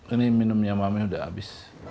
ini minumnya mami udah abis